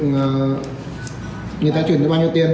người ta truyền từ bao nhiêu tiền